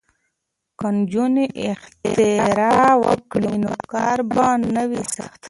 که نجونې اختراع وکړي نو کار به نه وي سخت.